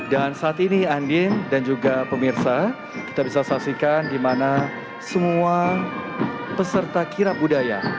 dan saat ini andin dan juga pemirsa kita bisa saksikan dimana semua peserta kirap budaya